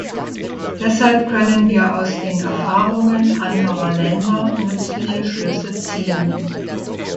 Deshalb können wir aus den Erfahrungen anderer Länder nützliche Schlüsse ziehen.